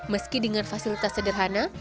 meski dengan fasilitas sederhana